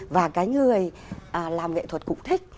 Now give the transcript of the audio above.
và cái người làm nghệ thuật cũng thích